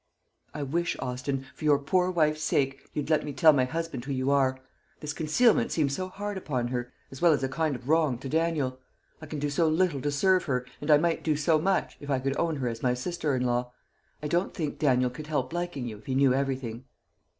"I wish, Austin, for your poor wife's sake, you'd let me tell my husband who you are. This concealment seems so hard upon her, as well as a kind of wrong to Daniel. I can do so little to serve her, and I might do so much, if I could own her as my sister in law. I don't think Daniel could help liking you, if he knew everything."